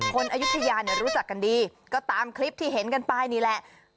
อายุทยาเนี่ยรู้จักกันดีก็ตามคลิปที่เห็นกันไปนี่แหละ